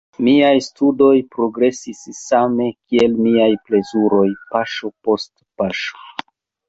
Miaj studoj progresis same, kiel miaj plezuroj, paŝo post paŝo.